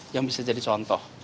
yang bisa jadi contoh